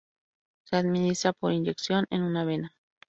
Se administra por inyección en una vena.